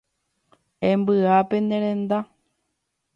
Embyape ne renda.